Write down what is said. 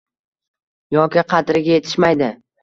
yoki qadriga yetishmaydi.